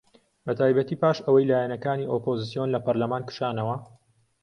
بەتایبەتی پاش ئەوەی لایەنەکانی ئۆپۆزسیۆن لە پەرلەمان کشانەوە